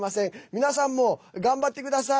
皆さんも頑張ってください。